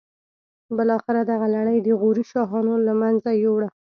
بالاخره دغه لړۍ د غوري شاهانو له منځه یوړه.